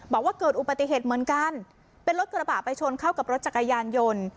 บอกว่าเกิดอุบัติเหตุเหมือนกันเป็นรถกระบะไปชนเข้ากับรถจักรยานยนต์